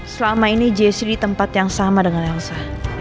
selama ini jessy di tempat yang sama dengan elsa